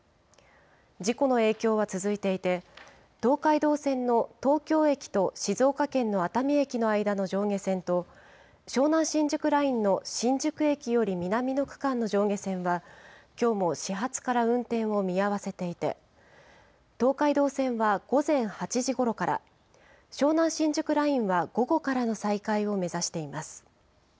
事故の影響は続いていて、東海道線の東京駅と静岡県の熱海駅の間の上下線と、湘南新宿ラインの新宿駅より南の区間の上下線はきょうも始発から運転を見合わせていて、東海道線は午前８時ごろから、湘南新宿ラインは午後からの再開を目指しています。